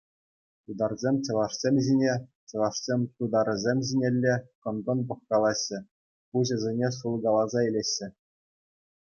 Тутарсем чӑвашсем ҫине, чӑвашсем тутарӗсем ҫинелле кӑн-кӑн пӑхкалаҫҫӗ, пуҫӗсене сулкаласа илеҫҫӗ.